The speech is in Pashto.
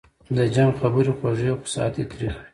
د جنګ خبري خوږې خو ساعت یې تریخ وي